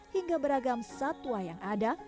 hingga beragam satwa yang ada